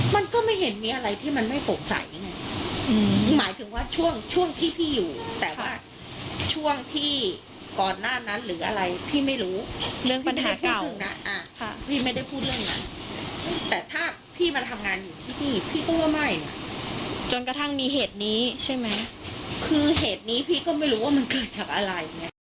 มันก็ไม่เห็นมีอะไรที่มันไม่โปร่งใส